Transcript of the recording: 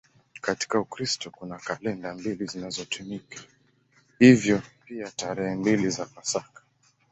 Katika Ukristo kuna kalenda mbili zinazotumika, hivyo pia tarehe mbili za Pasaka.